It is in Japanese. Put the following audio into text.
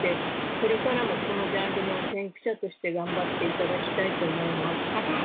これからもこのジャンルの先駆者として頑張っていただきたいと思います。